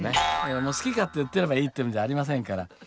もう好き勝手言ってればいいっていうのじゃありませんから。